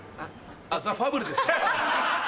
『ザ・ファブル』ですか。